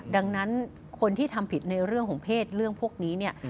ดังนั้นคนที่ทำผิดในเรื่องของเพศเรื่องพวกนี้เนี่ย